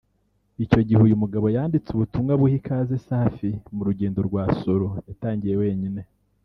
Icyo gihe uyu mugabo yanditse ubutumwa buha ikaze Safi mu rugendo rwa Solo yatangiye wenyine